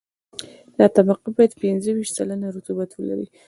دا طبقه باید پنځه ویشت سلنه رطوبت ولري